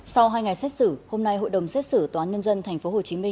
sau hai ngày xét xử hôm nay hội đồng xét xử tòa nhân dân tp hcm